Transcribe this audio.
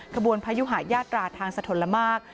ขบวนพยุหายาตราทางสะทนละมาก